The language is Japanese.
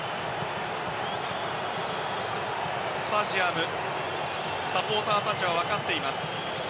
スタジアムサポーターたちは分かっています。